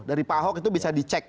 dari pak ahok itu bisa dicek